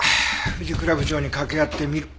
藤倉部長に掛け合ってみる。